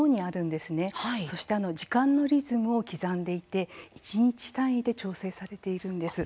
そして時間のリズムを刻んでいて一日単位で調整されているんです。